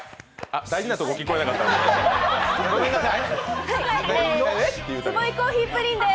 あ、大事なところ聞こえなかったんで。